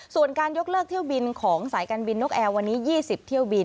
ส่วนการยกเลิกเที่ยวบินของสายการบินนกแอร์วันนี้๒๐เที่ยวบิน